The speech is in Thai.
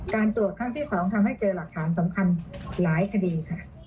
ตรวจครั้งที่๒ทำให้เจอหลักฐานสำคัญหลายคดีค่ะ